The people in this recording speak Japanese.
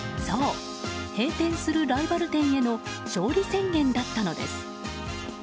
そう、閉店するライバル店への勝利宣言だったのです。